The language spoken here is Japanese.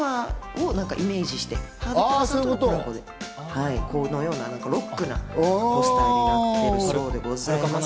ハードコアをイメージして、このようなロックなポスターになってるそうでございます。